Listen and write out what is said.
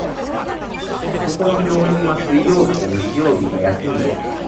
あそこの病院は水曜日と日曜日が休みです。